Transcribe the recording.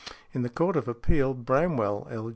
In the Court of Appeal, Bramwell, L.